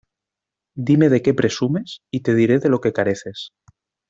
Dime de qué presumes y te diré de lo que careces.